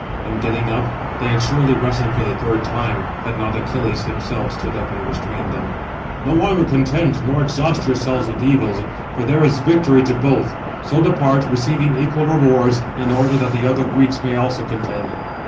And, getting up, they had surely wrestled for the third time, had not Achilles himself stood up and restrained them: "No longer contend, nor exhaust yourselves with evils; for there is victory to both: so depart, receiving equal rewards, in order that the other Greeks also may contend."